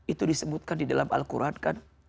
itu disebutkan di dalam al quran kan